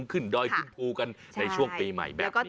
แก้ปัญหาผมร่วงล้านบาท